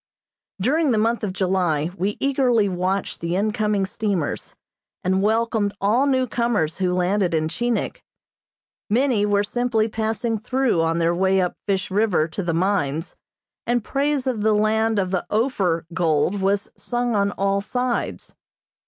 During the month of July we eagerly watched the incoming steamers, and welcomed all new comers who landed in Chinik. Many were simply passing through on their way up Fish River to the mines, and praise of the land of the "Ophir" gold was sung on all sides.